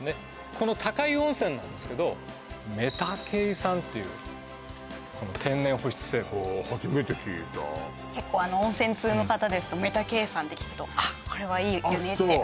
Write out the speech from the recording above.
この高湯温泉なんですけどメタケイ酸っていうこの天然保湿成分ほう初めて聞いた結構温泉通の方ですとメタケイ酸って聞くと「あっこれはいい湯ね」ってあ